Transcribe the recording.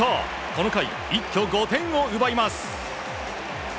この回、一挙５点を奪います。